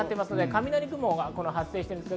雷雲が発生しています。